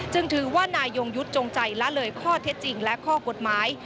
ถือว่านายยงยุทธ์จงใจละเลยข้อเท็จจริงและข้อกฎหมาย